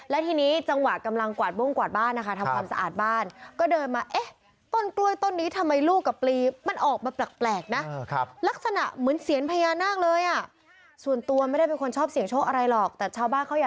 และทีนี้จังหวะกำลังกวาดบุ้งกวาดบ้านนะคะทำความสะอาดบ้าน